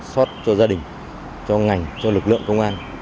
xót cho gia đình cho ngành cho lực lượng công an